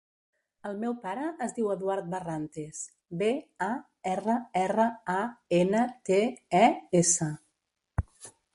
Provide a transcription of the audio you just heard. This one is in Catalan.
El meu pare es diu Eduard Barrantes: be, a, erra, erra, a, ena, te, e, essa.